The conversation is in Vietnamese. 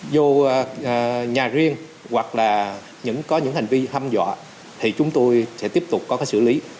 dù nhà riêng hoặc là có những hành vi hâm dọa thì chúng tôi sẽ tiếp tục có cái xử lý